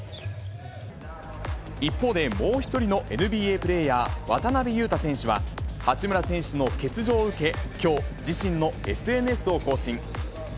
一方で、もう１人のＮＢＡプレーヤー、渡邊雄太選手は、八村選手の欠場を受け、きょう、自身のＳＮＳを更新。